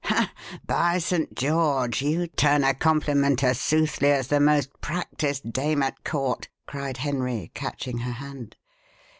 "Ha! by Saint George! you turn a compliment as soothly as the most practised dame at court," cried Henry, catching her hand.